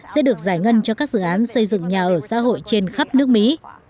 sẽ được giải ngân cho các dự án xây dựng nhà ở xã hội trên khắp nước mỹ